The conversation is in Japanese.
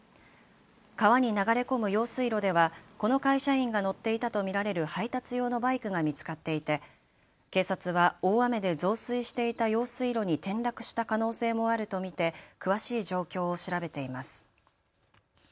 川に流れ込む用水路ではこの会社員が乗っていたと見られる配達用のバイクが見つかっていて警察は大雨で増水していた用水路に転落した可能性もあると見て詳しい状況を調べています。